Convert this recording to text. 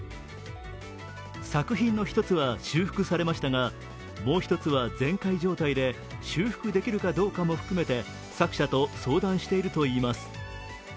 作品の一つは修復されましたがもう一つは全壊状態で修復できるかどうかも含めて作者と相談しているといいます。